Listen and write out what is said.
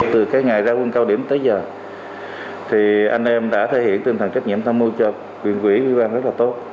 từ cái ngày ra quân cao điểm tới giờ thì anh em đã thể hiện tinh thần trách nhiệm tham mưu cho quyền quỹ quy bang rất là tốt